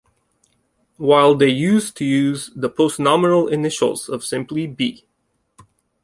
While they used to use the postnominal initials of simply B.